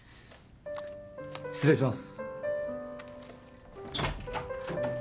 失礼します。